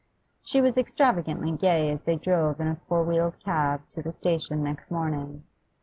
She was extravagantly gay as they drove in a four wheeled cab to the station next morning.